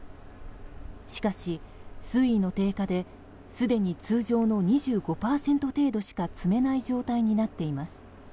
しかし水位の低下ですでに通常の２５％程度しか積めない状態になっています。